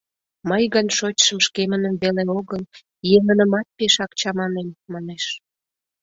— Мый гын шочшым шкемыным веле огыл, еҥынымат пешак чаманем, — манеш.